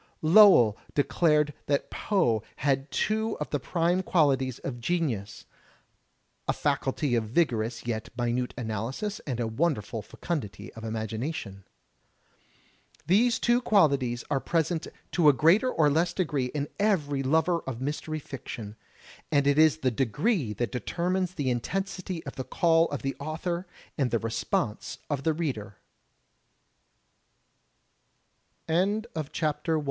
Lowell declared that Poe had two of the prime qualities of genius, — "a faculty of vigorous yet minute analysis and a wonderful feomdity of imagination." These two qualities are present to a greater or less degree in every lover of mystery fiction; and it is the degree that determines the intensity of the call of the author and